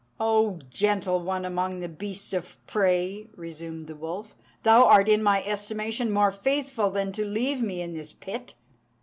"O gentle one among the beasts of prey!" resumed the wolf, "thou art in my estimation more faithful than to leave me in this pit."